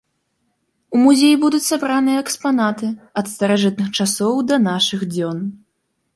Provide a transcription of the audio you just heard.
У музеі будуць сабраныя экспанаты ад старажытных часоў да нашых дзён.